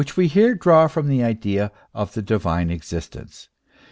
201 we here draw from the idea of the divine existence.